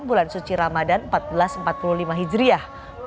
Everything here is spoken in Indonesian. bulan suci ramadan seribu empat ratus empat puluh lima hijriah